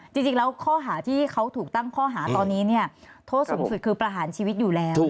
จริงแล้วข้อหาที่เขาถูกตั้งข้อหาตอนนี้เนี่ย